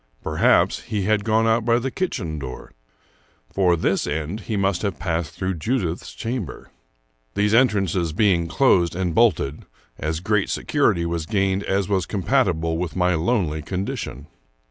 Perhaps he had gone out by the kitchen door. For this end, he must have passed through Judith's chamber. These entrances being closed and bolted, as great security was gained as was compatible with my lonely condition.